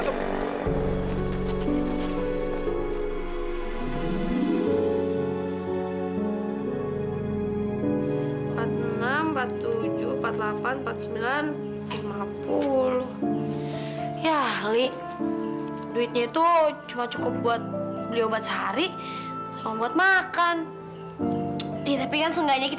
sampai jumpa di video selanjutnya